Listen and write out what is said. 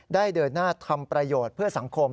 เดินหน้าทำประโยชน์เพื่อสังคม